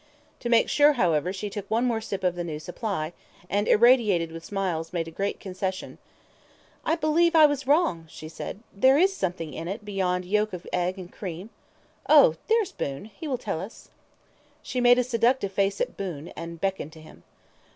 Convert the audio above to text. To make sure, however, she took one more sip of the new supply, and, irradiated with smiles, made a great concession. "I believe I was wrong," she said. "There is something in it beyond yolk of egg and cream. Oh, there's Boon; he will tell us." She made a seductive face at Boon, and beckoned to him.